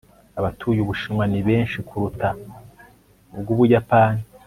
abatuye ubushinwa ni benshi kuruta ubw'ubuyapani